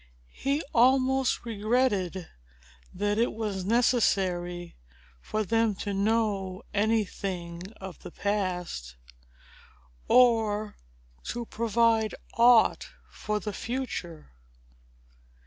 He almost regretted that it was necessary for them to know any thing of the past, or to provide aught for the future.